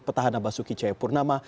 petahana basuki chayapurnama